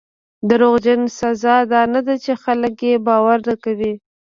د دروغجن سزا دا نه ده چې خلک یې باور نه کوي.